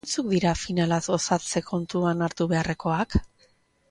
Zeintzuk dira finalaz gozatze kontuan hartu beharrekoak?